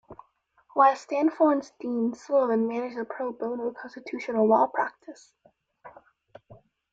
While Stanford's Dean, Sullivan maintained a pro bono constitutional law practice.